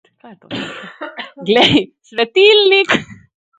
Glej, svetilniki!